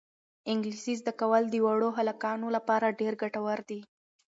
انګلیسي زده کول د وړو هلکانو لپاره ډېر ګټور دي.